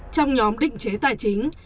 trong nhóm định chế tài chính